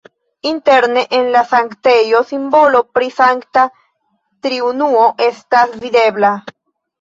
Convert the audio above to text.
Interne en la sanktejo simbolo pri Sankta Triunuo estas videbla.